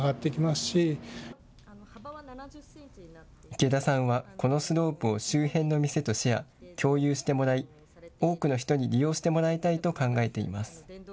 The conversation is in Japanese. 池田さんはこのスロープを周辺の店とシェア、共有してもらい多くの人に利用してもらいたいと考えています。